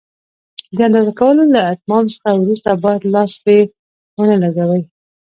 د اندازه کولو له اتمام څخه وروسته باید لاس پرې ونه لګوئ.